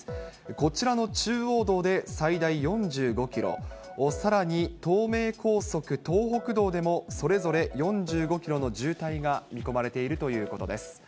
こちらの中央道で最大４５キロ、さらに東名高速、東北道でも、それぞれ４５キロの渋滞が見込まれているということです。